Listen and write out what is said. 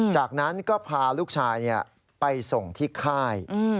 จากนั้นก็พาลูกชายไปส่งที่ค่าย